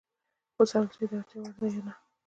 وڅارل شي چې د اړتیا وړ ده یا نه.